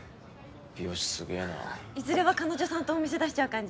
美容師すげぇないずれは彼女さんとお店出しちゃう感じ？